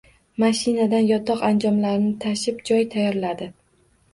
Mashinadan yotoq anjomlarini tashib, joy tayyorladi